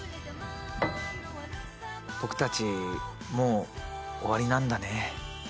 僕たちもう終わりなんだね。